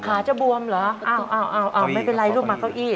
ขาจะบวมเหรออ้าวไม่เป็นไรลูกมาเก้าอี้